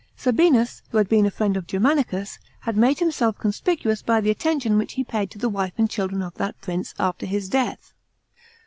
Sabinus, who had been a friend of Germanicus, had made him self conspicuous by the attention which he paid to the wife and children of that prince, after his death.